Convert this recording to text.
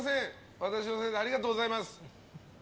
私のせいでありがとうございます。